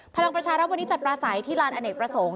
พลังประชารัฐวันนี้จัดปลาใสที่ลานอเนกประสงค์